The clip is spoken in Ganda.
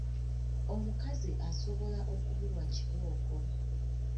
Omukazi asobola okubulwa kibooko.